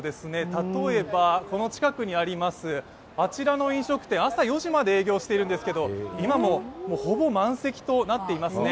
例えばこの近くにあります、あちらの飲食店朝４時まで営業しているんですけれども今もほぼ満席となっていますね。